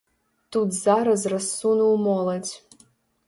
Тут зараз рассунуў моладзь.